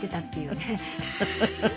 フフフフ！